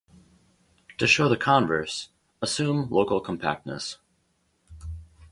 To show the converse, "assume local compactness".